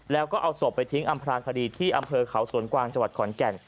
แล้วก็เอาศพไปทิ้งอำพลางคดีที่อำเภอเขาสวนกวางจังหวัดขอนแก่น